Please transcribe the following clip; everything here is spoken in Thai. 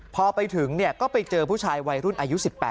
พอไปถึงก็ไปเจอผู้ชายวัยรุ่นอายุ๑๘